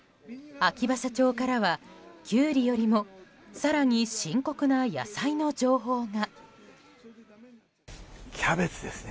秋葉社長からはキュウリよりも更に深刻な野菜の情報が。